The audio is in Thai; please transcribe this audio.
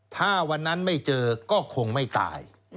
ถ้าวันนั้นไม่เจอก็คงไม่ตาย